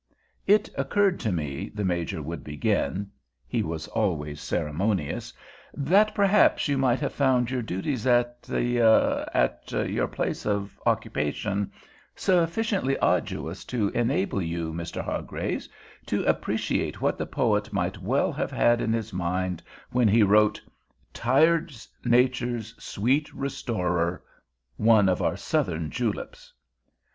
"It occurred to me," the Major would begin—he was always ceremonious—"that perhaps you might have found your duties at the—at your place of occupation—sufficiently arduous to enable you, Mr. Hargraves, to appreciate what the poet might well have had in his mind when he wrote, 'tired Nature's sweet restorer'—one of our Southern juleps."